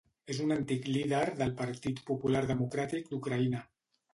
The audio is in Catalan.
És un antic líder del Partit Popular Democràtic d'Ucraïna.